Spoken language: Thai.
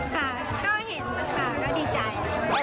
ค่ะก็เห็นนะคะก็ดีใจ